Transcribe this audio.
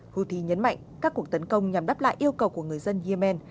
houthi nhấn mạnh các cuộc tấn công nhằm đáp lại yêu cầu của người dân yemen